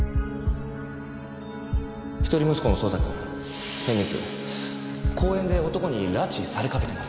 一人息子の蒼太くん先月公園で男に拉致されかけてます。